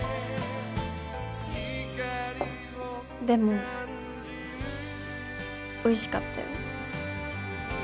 でもおいしかったよ。